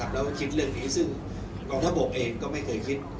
แล้วก็คิดเรื่องนี้ซึ่งกองทัพบกเองก็ไม่เคยคิด